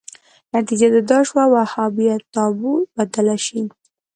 نتیجه دا شوه وهابیت تابو بدله شي